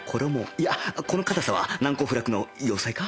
いやこのかたさは難攻不落の要塞か？